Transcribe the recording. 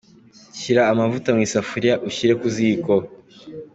Shyira amavuta mu isafuriya, ushyire ku ziko.